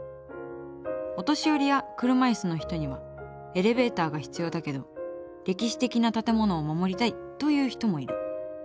お年寄りや車いすの人にはエレベーターが必要だけど歴史的な建物を守りたいという人もいる。